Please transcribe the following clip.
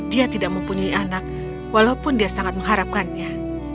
dia tidak mempunyai anak walaupun dia sangat mengharapkannya